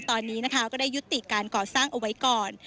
ตอนนี้นะคะก็ได้ยุติการก่อสร้างเอาไว้ก่อน